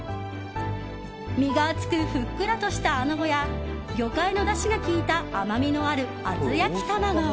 身が厚くふっくらとしたアナゴや魚介のだしが効いた甘みのある厚焼き卵。